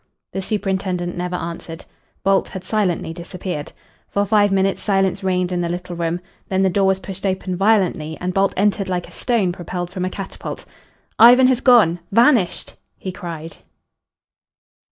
The superintendent never answered. Bolt had silently disappeared. For five minutes silence reigned in the little room. Then the door was pushed open violently and Bolt entered like a stone propelled from a catapult. "Ivan has gone vanished!" he cried.